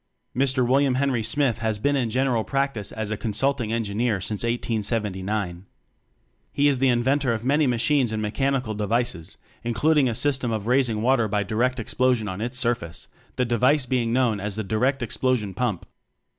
Mr. William Henry Smyth has been in general practice as a con sulting engineer since 1879. He is the inventor of many machines and mechanical devices, including a system of raising water by direct explosion on its surface, the device being known as the "direct explo sion pump."